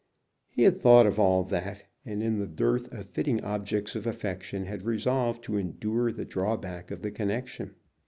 He had thought of all that, and in the dearth of fitting objects of affection had resolved to endure the drawback of the connection.